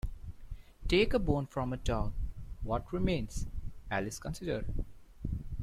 ‘Take a bone from a dog: what remains?’ Alice considered.